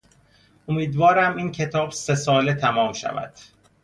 امیدوارم این کتاب سهساله تمام شود.